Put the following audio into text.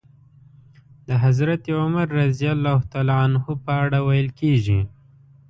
د حضرت عمر رض په اړه ويل کېږي.